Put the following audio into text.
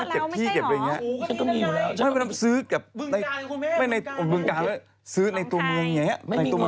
ก็มีที่เยอะแล้วไม่ใช่เหรอฉันก็มีเงินแล้วบึงกาอย่างคุณแม่บึงกาอย่างคุณแม่